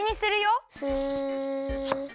スッ。